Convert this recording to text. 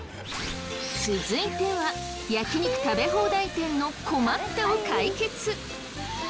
続いては焼き肉食べ放題店の困ったを解決！